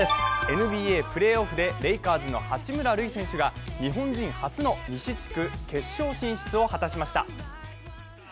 ＮＢＡプレーオフでレイカーズの八村塁選手が日本人初の西地区決勝進出を果たしました。